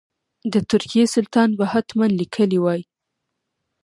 د ترکیې سلطان به حتما لیکلي وای.